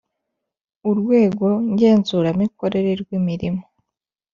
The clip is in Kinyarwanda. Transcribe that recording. Urwego Ngenzuramikorere rw imirimo